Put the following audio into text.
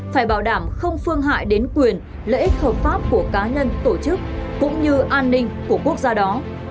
phải bảo đảm không phương hại đến quyền lợi ích hợp pháp của cá nhân tổ chức cũng như an ninh của quốc gia đó